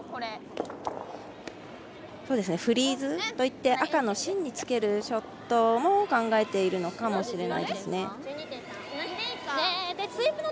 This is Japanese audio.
フリーズといって赤の芯につけるショットも考えているのかもしれないですね。